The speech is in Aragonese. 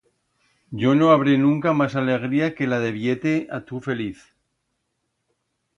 Yo no habré nunca mas alegría que la de vier-te a tu feliz.